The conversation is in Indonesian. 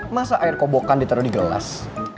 masa air kobokan ditaruh di gelas